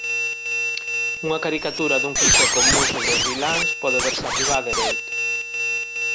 Unha caricatura dun clixé común sobre os viláns pode verse arriba á dereita.